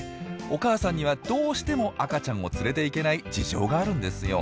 お母さんにはどうしても赤ちゃんを連れていけない事情があるんですよ。